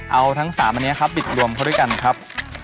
เอาทั้ง๓อันนี้ครับบิดรวมเขาด้วยกันครับ